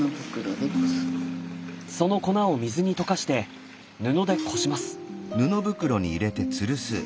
その粉を水に溶かして布でこします。